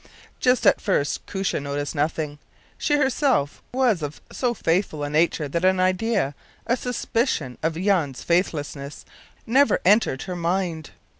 Just at first Koosje noticed nothing. She herself was of so faithful a nature that an idea, a suspicion, of Jan’s faithlessness never entered her mind.